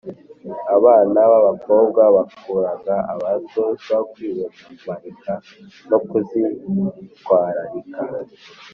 abana b’abakobwa bakuraga batozwa kwibombarika no kuzitwararika